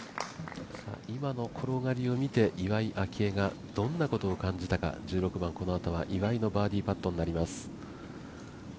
今の転がりを見て、岩井明愛がどんなことを感じたのか、１６番、このあとは岩井のバーディーパットになります。